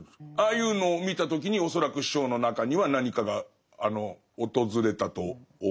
ああいうのを見た時に恐らく師匠の中には何かが訪れたと思う。